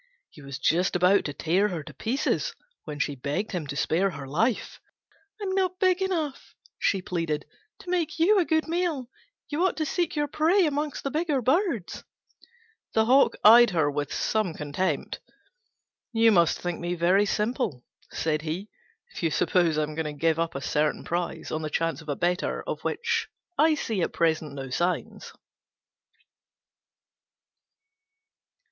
He was just about to tear her in pieces when she begged him to spare her life: "I'm not big enough," she pleaded, "to make you a good meal: you ought to seek your prey among the bigger birds." The Hawk eyed her with some contempt. "You must think me very simple," said he, "if you suppose I am going to give up a certain prize on the chance of a better of which I see at present no signs."